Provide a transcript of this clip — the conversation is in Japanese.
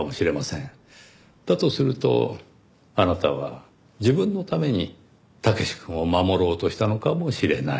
だとするとあなたは自分のために武志くんを守ろうとしたのかもしれない。